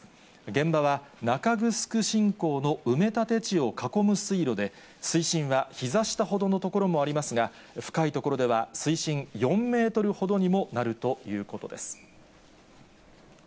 現場は中城新港の埋め立て地を囲む水路で、水深はひざ下ほどの所もありますが、深い所では水深４０メートルほどにもなるということです。